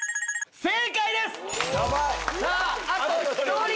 正解！